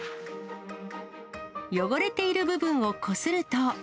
汚れている部分をこすると。